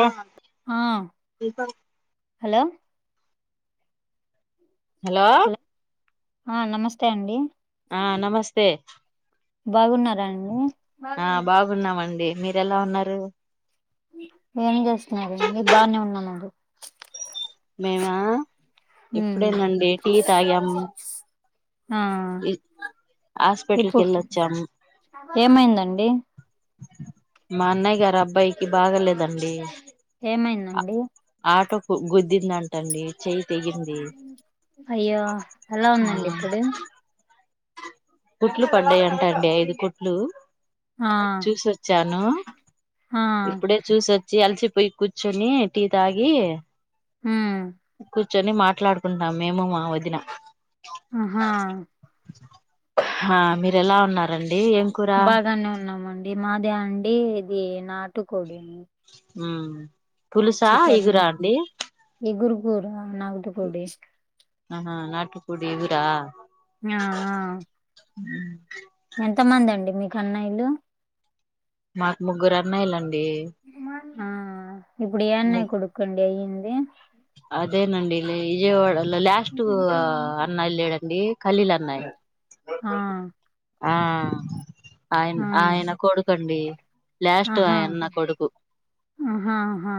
ఏమన్న BCom hello hello ఆ నమస్తే అండి. ఆ నమస్తే బాగున్నారా అండి ఆ బాగున్నాం మండి మీర ఎలా ఉన్నారు ఏమి చేస్తున్నారు నేను బాగానే ఉన్నాను అండి మేము ఎప్పుడేనండి టీ తాగాము ఆ హాస్పిటల్ కి ఇప్పుడు వెళ్ళొచ్చాము ఏమైందండి మా అన్నయ్య గారు అబ్బాయికి బాగలేదండి ఏమైందండి ఆటో గు గుద్దిది అంట టండి చెయ్యి తెగింది అయ్యో ఎలా ఆ ఉందండి ఇప్పుడు కుట్లు పడ్డాయి అంట అండి ఐదు కుట్లు ఆ చూసోచ్చాను ఆ ఇప్పుడే చూసొ వచ్చి అల్సి పోయి కుచుని టీ తాగి ఉమ్ కు కూర్చొని మాట్లాడుకుంటున్నాం మేము మా వదిన ఆహా హా మీరు ఎలా ఉన్నారండి ఏం కూర బాగానే ఉన్నామండి మాదే అండి ఇది నాటుకోడి హమ్ చికెన్ ఇగురు కూర నాటుకోడి ఇ ఆహా నాటు కోడి ఇగురా ఆ ఆ ఉమ్ ఎంత మంది అండి మీకు అన్నయిలు మాకు ముగ్గురు అన్నయ లండి ఆ ఇప్పుడు ఏ అన్నయ్య కోడుకి అండి అయ్యంది అదేనండి విజయవాడలో లాస్ట్ అన్న లేడండి ఖలీల్ అన్నయి ఆ ఆ ఆయన ఆ ఆయన కొడుకండి లాస్ట్ ఆహా ఆయన్న కొడుకు ఆహా ఆహా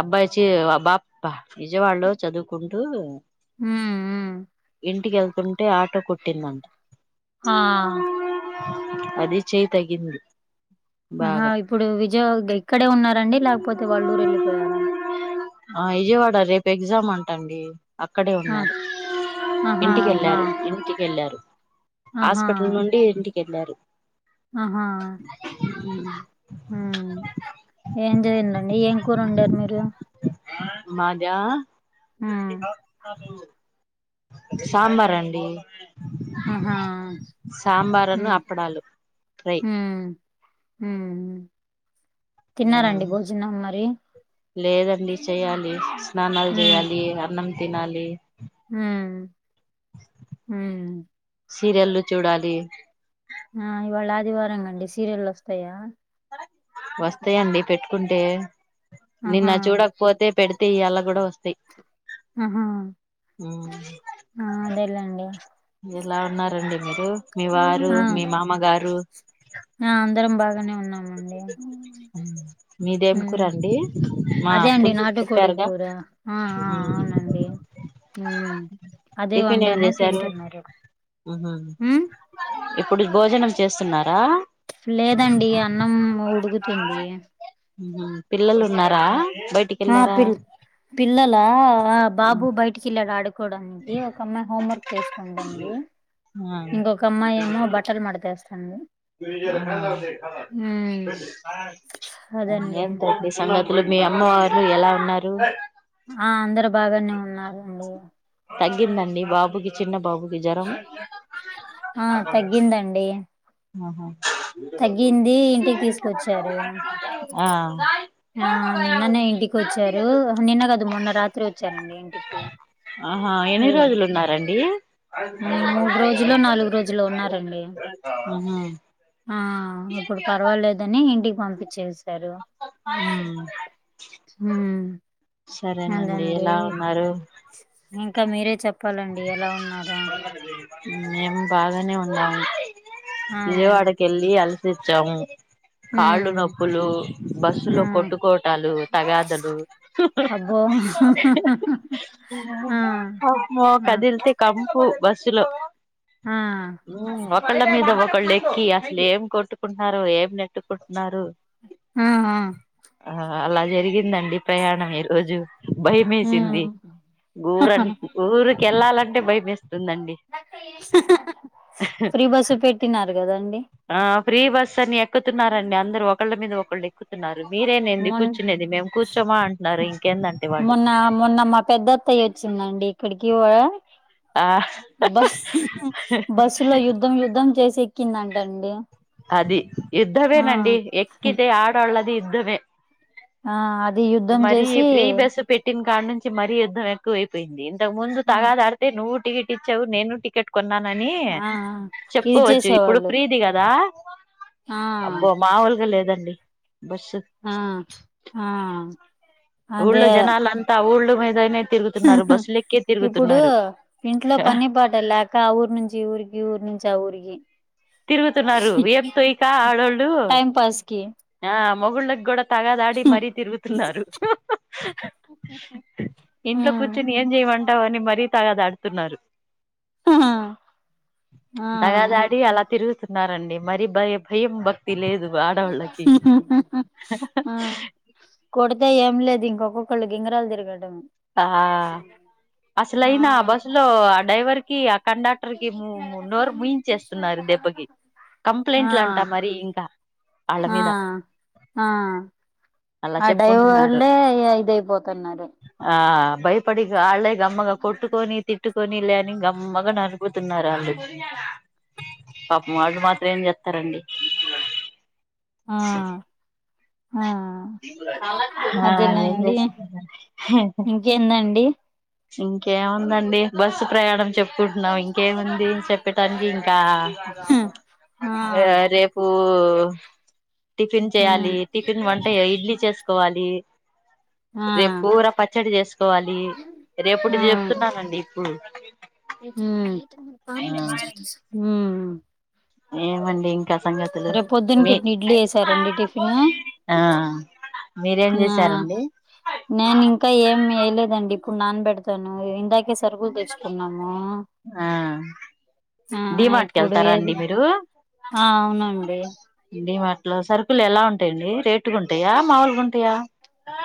అబ్బాయి చీ బా అబ్బా విజయవాడలో చదువుకుంటూ ఉమ్ ఉమ్ ఇంటికి వెళ్తుంటే ఆటో కోట్టిందంట ఆ అది చేయి తెగింది ఆహా ఇప్పుడు విజయ ఇక్కడే ఉన్నారండి లేకపోతే వాళ్ళ ఊరు వెళ్ళిపోయారా ఆ విజయవాడ రేపు ఎగ్జామ్ అంట అండి అక్కడే ఆ ఉన్నారు ఆహా ఆహా ఇంటికెళ్ళారు ఇంటికెళ్ళారు ఆహా హాస్పిటల్ నుండి ఇంటికెళ్లారు ఆహా ఉమ్ ఏం చేయండి అండి ఏం కూరు వండారు మీరు మాదా హ్మ్ సాంబార్ అండి ఆహా సాంబారును హుమ్ అప్పడాలు ఫ్రై హుమ్ ఉమ్ తిన్నారండి భోజనం మరి లేదండి చెయ్యాలి స్నానాలు చేయాలి అన్నం తినాలి ఉమ్ ఉమ్ సీరియల్లు చూడాలి ఆ ఇవాళ ఆదివారం అండి సీరియల్లు వస్తాయా వస్తాయండి పెట్టుకుంటే నిన్న ఆహా చూడకపోతే పెడితే ఇయాల కూడ వస్తాయ్ ఆహా ఆ అదేలేండి ఎలా ఉన్నారండి మీరు మీ వారు ఆ మీ మామగారు ఆ అందరం బాగానే ఉన్నామండి మీదేం హ్మ్. కూరండి మా అదే అండి అప్పులు నాటుకోడి చెప్పారుగ కూర. ఆ అవునండి అదే టిఫిన్ ఏం వండను చేశారు తింటున్నారు ఇప్పుడు భోజనం చేస్తున్నారా లేదండి అన్నం ఉడుకుతుంది పిల్లలు ఉన్నార ఆ పిల్ పిల్లలా బాబు బయటికి వెళ్ళాడు ఆడు కోడానికి ఒక అమ్మాయి హోం వర్క్ చేసుకుంటు [unintelligible] ఇంకొక అమ్మాయి ఏమో బట్టలు మడతేస్తాంది ఆ అదండి. ఏంటండీ సంగ మీ అమ్మవారు ఎలా ఉన్నారు ఆ అందరు బాగానే ఉన్నారండి తగ్గిందా అండి బాబుకి చిన్న బాబుకి జ్వరం ఆ తగ్గిందండి ఆహా తగ్గింది ఇంటికి తీసుకొచ్చారు ఆ ఆ నిన్ననే ఇంటికి వచ్చారు నిన్న కదు మొన్న రాత్రి వచ్చారండి ఇంటికి ఆహా ఎన్ని ఇవ్ రోజులు ఉన్నారండి మూడు రోజులో నాలుగు రోజులు ఉన్నారండి ఆహా ఆ ఇప్పుడు పర్వాలేదని ఇంటికి పంపించేసారు ఉ హు సరేనండి ఎలా ఉన్నారు ఇంకా మీరే చెప్పాలండి ఎలా ఉన్నారో మేం బాగానే ఉన్నాము ఆ విజయ [unintelligible] [unintelligible] కాళ్ళు హ్మ్ నొప్పులు ఆ బస్సులో కొట్టుకోటాలు తగాదలు అబ్బో ఆ మో ఆ కదిల్తే కంపు బస్సులో ఆ ఒకళ్ళ మీద ఒకళ్ళు ఎక్కి అసలు ఎం కొట్టుకుంటున్నారు ఏం నెట్టుకుంటున్నారు [unintelligible] ఆ అల జరిగిందండి ప్రయాణం ఈ రోజు హ్మ్ భయమేసింది ఊరం ఊరికెళ్ళాలం అంటే భయమేస్తుంది అండి [unintelligible] తిన్నారు గదండి ఆ ఫ్రీ బస్ అని ఎక్కుతున్నారండి అందరు ఒకళ్ళ మీద ఒకళ్ళ క్కుతున్నారు మీరేనేంది మొన్ కూర్చునేది మేం కూర్చోమా అంటున్నారు ఇంకేందంటే వాళ్ళు మొన్న మొన్న మా పెద్దత్తయ్య వచ్చిందండి ఇక్కడికి ఆ బస్ బస్సులో యుద్ధం యుద్ధం చేసి ఎక్కిందంట అండి అది యుద్ధమేనండి ఎక్కితే ఆడోళ్ళది యుద్ధమే ఆ అది యు మరి ఈ ఫ్రీ బస్ పె టిన్ కాడ్ నుంచి మరీ యుద్ధం ఎక్కువైపోయింది ఇంతకు ముందు తగాదాడితే నువ్వు టికెట్ ఇచ్చావు నేను టికేట్ కొన్నానని ఆ ఇది చెప్పుకోవచ్చు ఇప్పుడు చేసేవాళ్ళు ఫ్రీది కదా ఆ అబ్బో మావలుగా లేదండి బస్సు ఆ ఆ ఊళ్ళో అదే జనాల అంతా ఊళ్ళు మీదై ఇప్పుడు ఇంట్లో పని పాట లే క ఆ ఊరు నుంచి ఈ ఊరికి ఈ ఊరు నుంచి ఆ ఊరికి తిరుగుతున్నారు ఏం తొయకా ఆడోళ్ళు టైం పాస్ కి ఆ మొగుళ్ళకి కూడా తగదాడి మరీ తిరుగుతున్నారు ఇంట్లో కూర్చుని ఏం జేయమంటావ్ అని మరీ తగాద ఆడుతున్నారు ఆ ఆ తగాదా ఆడి అలా తిరుగుతున్నారండి మరి భయ్ భయం భక్ తి లేదు ఆడోళ్ళకి కొడితే ఏం లేదు ఇంకొక్కొక్కళ్ళు గింగ్రాలు తిరగడం ఆ అసలు అయినా ఆ బస్లో ఆ డ్రైవర్ కి కండక్టర్కి నోరు ముయించేస్తున్నారు దెబ్బకి ఆ కంప్లైంట్లు అంటా మరి ఇంక ఆ ఆ అలా అ చెప్పుకుంటున్నారు డైవర్లే ఇగ ఇదై తున్నారు ఆ భయపడి వాళ్ళే గమ్మగా కొట్టుకొని తిట్టుకొనిళ్లే అని గమ్మగా న పోతున్నారా అండి పాప వాల్లు మాత్రం ఏం జేత్తారండి ఆ ఆ ఆ ఏం [unintelligible] ఎందండి ఇంకేముందండి బస్సు ప్రయాణం చెప్ కుంటున్నావ్ ఇంకేముంది చెప్పటానికి ఇంకా ఆ ఆ రేప్ టిఫిన్ చేయాలి టిఫిన్ వంటే ఇడ్లీ చేస్ కోవాలి ఆ రేపు కూర పచ్చడి చేసుకోవాలి రేపుటిది చెప్తు రండి ఇప్పుడు హ్మ్ హ్మ్ ఏమండి సంగ రేపు పొద్దున్కి ఇడ్లీ వేసారండి టిఫిన్ ఆ మీరేం ఆ చేసారండి నేను ఇంకా ఏం యేయలేదండి ఇప్పుడు నాన్నబెడతాను ఇందాకే సరుకులు తెచ్చుకున్నాము ఆ ఆ డీమార్ట్ కి ఇప్పుడు వెళ్తారండి ఏది మీరు ఆ అవునండి డి మార్ట్ లో సరుకులు ఎలా ఉంటాయండి రేటుగా ఉంటాయా మామూలుగా ఉంటాయా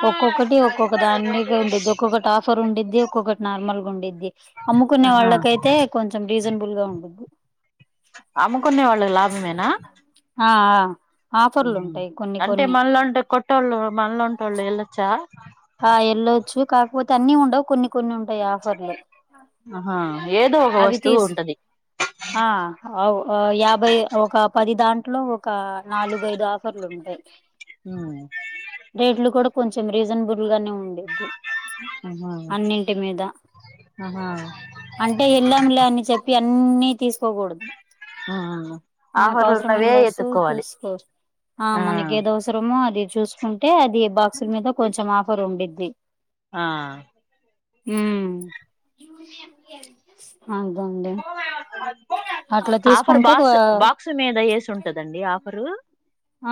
ఒక్కొక్కటి ఒక్కొక్క దాన్ని ఉండిద్ది ఒక్కొక్కటి ఆఫర్ ఉండిద్ది ఒక్కొక్కటి నార్మల్గా ఉండిద్ది అమ్ముకున్న ఆహా వాళ్లకైతే కొంచెం రీసన్బుల్గా ఉండదు అమ్ముకునే వాళ్ళకి లాభమేనా ఆ అ ఉహు అంటే మనలాంటి కొట్టోళ్ళు మనలాంటోళ్లు వెళ్లొచ్చా ఆ వెళ్ళొచ్చు కాకపోతే అన్ని ఉండవు కొన్ని కొన్ని ఉంటాయి ఆఫ్ ఆహా ఏదో ఒక అవి వస్తువు తీసు ఉంటది ఆ హౌ యాభై ఒక పది దాంట్లో ఒక నాలుగుఐదు ఆఫర్లు ఉంటాయి ఉ డేట్లు కూడా కొంచెం రీసన్బుల్గా గానే ఉండేగు ఆహా అన్నింటి మీద ఆహా అంటే ఎల్లంలే అని చెప్పి అన్ని తీసుకోకూడదు ఆ మనకు ఆఫర్లు అవసరమైన ఉన్నవే వస్తువు ఎతుక్కోవాలి చూసుకోవచ్చు ఆ మనకి ఏదో అవసరం త్రమో అది చూసుకుంటే అది బాక్సులు మీద కొంచెం ఆఫర్ ఉండిద్ది ఆ ఉ [inaudible] ఆఫర్ తీసుకుంటే ఆ బాక్స్ బాక్స్ మీద వేచి ఉంటుందండి ఆఫరు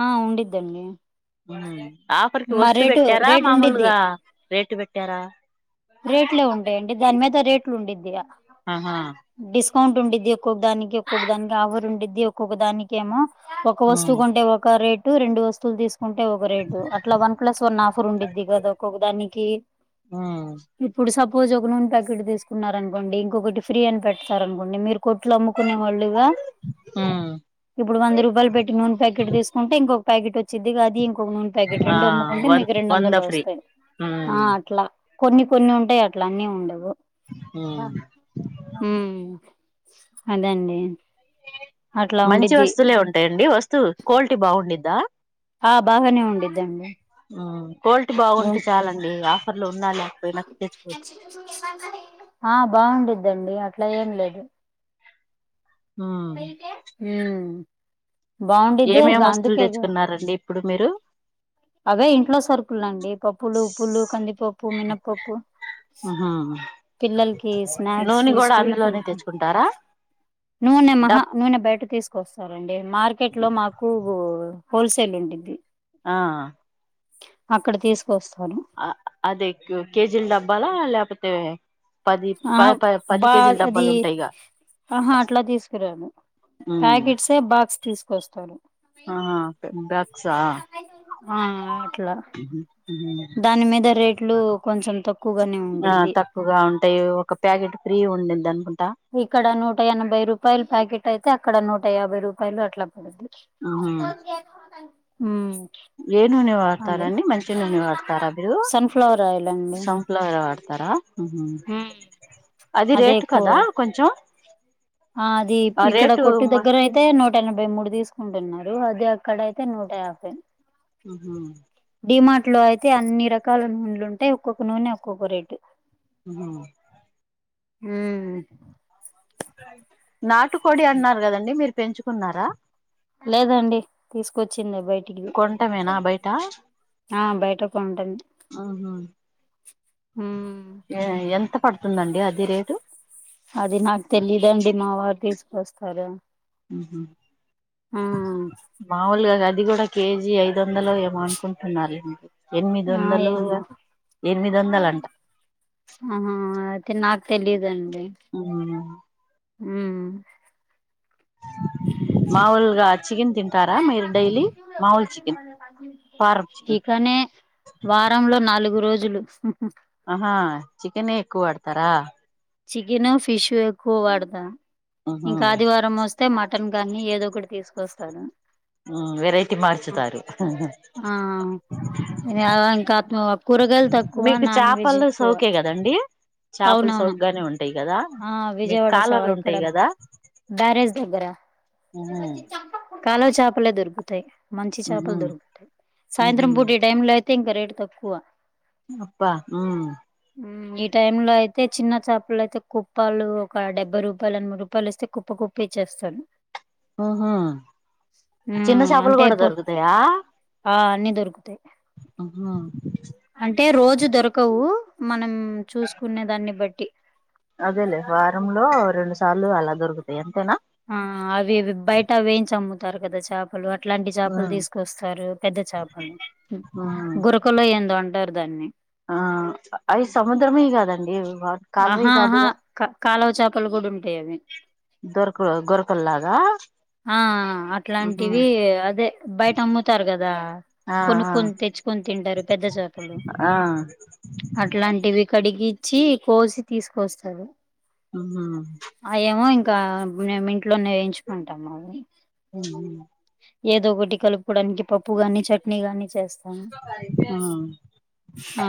ఆ ఉండిద్దండి ఉ ఆఫర్ కి మా వస్తు రేటు పెట్టారా రేటు ఉండిద్ది మామూలుగా రేటు పెట్టారా రేట్లే ఉంటాయండి దానిమీద రేట్లు ఉండిద్దిగా ఆహా డిస్కౌంట్ ఉండిద్ది ఒక్కొక్క దానికి ఒక్కొక్క దానికి ఆఫర్ ఉండిద్ది ఒక్కొక్క దానికేమో ఒక వస్తువు ఉమ్ కొంటే ఒక రేటు రెండు వస్తువులు తీసుకు ఉంటే ఒక రేటు అట్లా వన్ ప్లస్ వన్ ఆఫర్ ఉండిద్ది కదా ఒక్కొక్క దానికి ఆ ఇప్పుడు సపోర్ట్ ఒక నూనె ప్యాకెట్ తీసుకున్నారనుకోండి ఇంకొకటి ఫ్రీ అని పెడతారు అనుకోండి మీరు కోట్లు అమ్ముకునే వాళ్ళుగా ఉమ్ ఇప్పుడు వంద రూపాయలు పెట్టి నూనె ప్యాకెట్ తీసుకుంటే ఇంకొక ప్యాకెట్ వచ్చిది గా అది ఇంకొక నూన్ ప్యాకెట్ ఆ రెండు అమ్ముకుంటే వ మీకు రెండు వంద వందలు ఫ్రీ వస్తాయి ఉమ్ ఆ అట్లా కొన్ని కొన్ని ఉంటాయి అట్ల అన్నీ ఉండవు ఉమ్ ఉ అదే అండి మంచి వస్తువులే ఉంటాయండి వస్తువు క్వాలిటీ బాగుండిద్దా ఆ బాగానే ఉండిద్దండి ఆ క్వాలిటీ బాగుంటే ఉంట్ చాలండి ఆఫర్లు ఉన్నా లేకపోయినా తెచ్చి అ బాగుండిద్దండి అట్లా ఏం లేదు ఉమ్ ఉ బాగుండిద్దే ఏమేం వస్తువులు గంధికే గా తెచ్చుకున్నారండి ఇప్పుడు మీరు అవే ఇంట్లో సరుకులు అండి పప్పులు ఉప్పులు కందిపప్పు మినపప్పు ఉహు పిల్లలకి స్నాక్స్ నూనె కూడా స్కూల్ కే అందులోనే తెచ్చుకుంటారా నూనె మహా డబ్ నూనె బయట తీసు కోస్సారండి మార్కెట్లో మాకు హోల్ సేల్ ఉండిద్ది ఆ అక్కడ తీసుకు వస్తాను ఆ అదే కేజీల డబ్బాలా లేకపోతే పది ప ఆ ప పది బా కేజీల అది డబ్బాలు ఉంటాయిగా ఆహా అట్లా తీసుకురాను ప్యాకెట్సే బాక్స్ తీసుకొస్తాను ఆ హా ఆ అట్లా హ్మ్ హు హ్మ్ హు దాని మీద రేట్లు కొంచెం తక్కువగానే ఉన్ ఆ తక్కువగా ఉంటాయి ఒక ప్యాకెట్ ఫ్రీ ఉండింది అనుకుంటా ఇక్కడ నూట ఎనభై రూపాయలు ప్యాకెట్ అయితే అక్కడ నూట యాభై రూపాయలు అట్లా పడుద్ది హ్మ్ ఏ నూనె వాడతారండి మంచి నూనె వాడతారా మీరు సన్ఫ్లవర్ ఆయిల్ అండి సన్ ఫ్లవర్ వాడతారా హ్మ్ హు ఉమ్ అది అదే రేటు కదా ఎక్కువ కొంచెం ఆ అది ఆ ఇక్కడ రేటు కొట్టు మ దగ్గర అయి తే నూట ఎనభై మూడు తీసుకుంటున్నారు అదే అక్కడ అయితే నూట యాభై హ డిమార్ట్ లో అయితే అన్ని రకాల నూనెలు ఉంటాయి ఒక్కొక్క నూనె ఒక్కొక్క రేటు ఉ హ్మ్మ్ నాటు కోడి అన్నారు కదండి మీరు పెంచుకున్నారా లేదండి తీసుకొచ్చింది బయట కొంటమేనా బయట ఆ బయట కొంటమే హా హూ ఉమ్ ఏ ఎంత పడుతుందండి అది రేటు అది నాకు తెలీదండి మా వారు తీసుకొస్తారు హ్మ్ హూ ఆ మాముూలుగా అది కూడా కేజీ ఐదు వందలు ఏమో అనుకుంటున్నారులే ఎనిమిది ఆ వందలు ఏమో ఎనిమిది వందలు అంట ఆహా అయితే నాకు తెలీదండి హ్మ్ మాములుగా చికెన్ తింటారా మీరు డైలీ మామూలు చికెన్ పారం చికెన్ ఇకనే వారంలో నాలుగు రోజులు హ్మ్ హు ఆహా చికెన్ ఎక్కువ వాడతారా చికెన్ ఫిష్ ఎక్కువ వాడత ఉహు, ఇంకా ఆదివారం వ స్తే అంటే మటన్ గానీ ఏదో ఒకటి తీసుకొస్తారు ఆ వెరైటీ మార్చుతారు ఆ ఇంకా అమ కూరగాయలు తక్కువ నాన్ వెజ్ ఎక్కువ ఒకే కదండి చాపలు అవునవును చౌగ్గానే ఉంటాయి కదా ఆ మీకు విజయవాడ సా కాలువలు ఇక్కడ ఉంటాయి కదా బ్యారేజ్ దగ్గర ఉహు, కాలువ చేపలే దొరుకుతాయి మంచి ఉహు, చేపలు దొరుకుతాయి ఉహు. సాయంత్రం పూట టైములో అయి తే ఇంకా రేట్ తక్కువ హ్మ్ అబ్బా హూ ఈ టైము లో అయితే చిన్న చా పాలైతే కుప్పాలు ఒక డెబ్బై రూపాయలు ఎనబై రూపాయలు ఇస్తే కుప్ప కుప్ప ఇచ్చేస్తాడు ఉమ్ హు చిన్న చాపలు అంటే కూడ దొరుకుతయా ఆ అన్నీ దొరుకుతయి అహా అంటే రోజు దొరకవు మనం చూసుకునే దాన్ని బట్టి అదేలే వారం లో రెండు సార్లు అలా దొరుకుతయి అంతేనా ఆ అవి ఇవి బయట వేయించి అమ్ముతారు గదా చాప్ పలు అట్లాంటి ఆ చాపలు దీసుకొస్తారు పెద్ద చాపలు ఆ గుర్ప్ క్కలో ఏందో అంటారు దాన్ని ఆ అయి సముద్రమియి కాదండి వాట్ ఆహా ఆహా కా కాలవ చాపలు కూడ ఉంటయవి దొరక్ గొరకల్లాగా ఆ ఆహా అట్లాంటివి అదే బయట అమ్ముతారు గదా ఆ కొనుక్కొని తెచ్చుకొని తింటారు పెద్దచాపలు ఆ ఆ ఆహా అట్ ట్లాంటివి కడిగిచ్చి కోసి తీసుకొస్తరు ఉమ్ హు అయ్యేమో ఇంకా మేము ఇంట్లోనే ఏయించుకుంటాము అవి ఉమ్ హు ఏదోకటి కలుపుకోవడానికి పప్పు గాని చట్నీ గాని చేస్ ఆ ఆ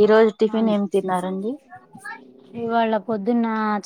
ఈ రోజు టిఫిన్ ఏం తిన్నారండి ఇవాళ్ళ పొద్దున్నచ్